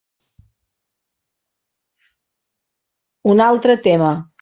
Un altre tema.